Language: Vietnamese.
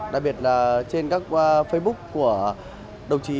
đặc biệt là trên các facebook của đồng chí